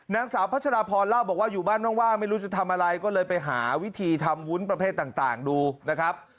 นางสาวพัชรพรเล่าบอกว่าอยู่บ้านว่างไม่รู้จะทำอะไรก็เลยไปหาวิธีทำวุ้นประเภทต่างดูนะครับ